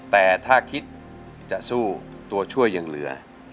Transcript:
แต่ถ้าคิดจะสู้ตัวช่วยยังเหลือ